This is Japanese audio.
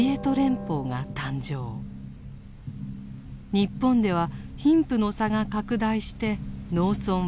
日本では貧富の差が拡大して農村は疲弊。